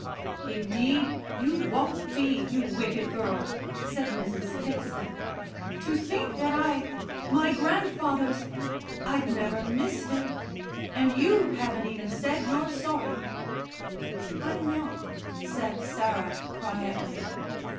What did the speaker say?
"Indeed, you won't be, you wicked girl," said Mrs. Kitson. "To think that I my grand father's I'd never missed it. And you haven't even said you're sorry." "I'm not," said Sarah quietly.